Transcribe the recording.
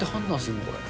これ。